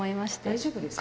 大丈夫ですか？